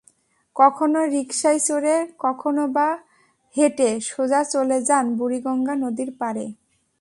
কখনো রিকশায় চড়ে, কখনোবা হেঁটে সোজা চলে যান বুড়িগঙ্গা নদীর পাড়ে।